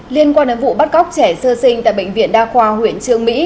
liên quan đến vụ bắt cóc trẻ sơ sinh tại bệnh viện đa khoa huyện trương mỹ